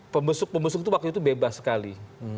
pembesuk pembesuk itu waktu itu bebas sekali